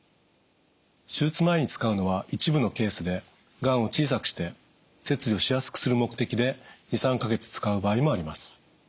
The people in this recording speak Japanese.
手術前に使うのは一部のケースでがんを小さくして切除しやすくする目的で２３か月使う場合もあります。